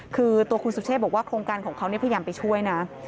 คือตัวคุณสุเชษบอกว่าโครงการของเขาพยายามไปช่วยนะ